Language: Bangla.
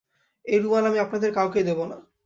এ রুমাল আমি আপনাদের কাউকেই দেব না।